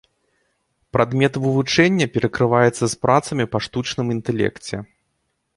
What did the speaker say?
Прадмет вывучэння перакрываецца з працамі па штучным інтэлекце.